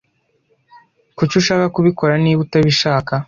Kuki ushaka kubikora niba utabishaka?